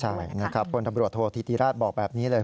ใช่นะครับคนตำรวจโทษธิติราชบอกแบบนี้เลย